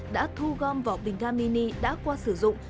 đã thu gom vỏ bình ga mini đã qua sử dụng